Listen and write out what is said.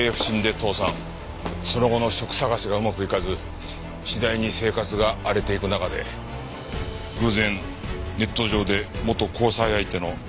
その後の職探しがうまくいかず次第に生活が荒れていく中で偶然ネット上で元交際相手のＳＮＳを見つけた。